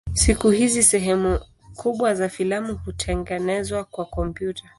Siku hizi sehemu kubwa za filamu hutengenezwa kwa kompyuta.